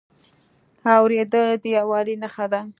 اورېدل د یووالي نښه ده.